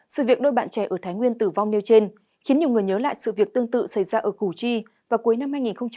sự việc đôi bạn trẻ ở thái nguyên tử vong nêu trên khiến nhiều người nhớ lại sự việc tương tự xảy ra ở củ chi vào cuối năm hai nghìn một mươi chín